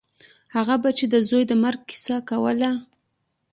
هغه به چې د زوى د مرګ کيسه کوله.